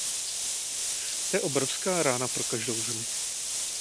To je obrovská rána pro každou zemi.